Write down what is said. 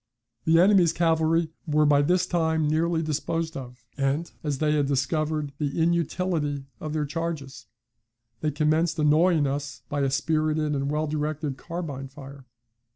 "The enemy's cavalry were by this time nearly disposed of, and as they had discovered the inutility of their charges, they commenced annoying us by a spirited and well directed carbine fire.